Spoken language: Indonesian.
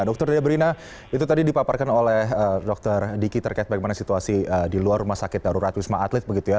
dr debrina itu tadi dipaparkan oleh dr diki terkait bagaimana situasi di luar rumah sakit darurat wisma atlet begitu ya